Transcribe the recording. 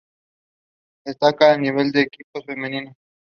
Destaca el nivel de los equipos femeninos.